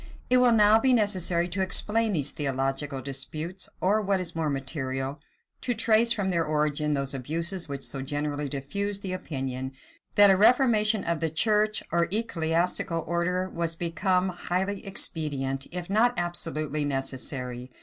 It will now be necessary to explain these theological disputes; or, what is more material, to trace from their origin those abuses which so generally diffused the opinion, that a reformation of the church or ecclesiastial order was become highly expedient, if not absolutely necessary.